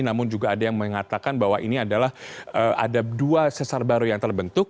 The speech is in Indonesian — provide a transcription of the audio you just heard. namun juga ada yang mengatakan bahwa ini adalah ada dua sesar baru yang terbentuk